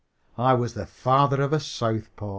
I was the father of a southpaw.